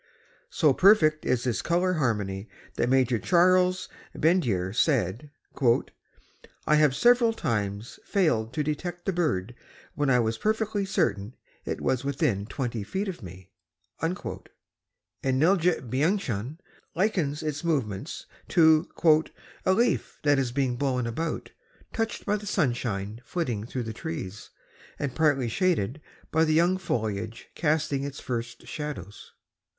So perfect is this color harmony that Major Charles Bendire said, "I have several times failed to detect the bird when I was perfectly certain it was within twenty feet of me," and Neltje Blanchan likens its movements to "a leaf that is being blown about, touched by the sunshine flittering through the trees, and partly shaded by the young foliage casting its first shadows."